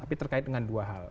tapi terkait dengan dua hal